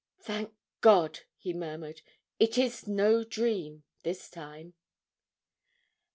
'Thank God,' he murmured, 'it is no dream this time!'